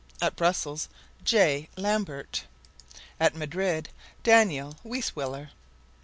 At Brussels, J. Lambert. At Madrid, Daniel Weisweller.